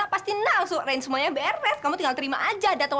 pasti abih lagi nyari kodok